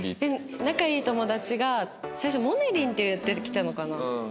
仲良い友達が最初もねりんって言ってきたのかな？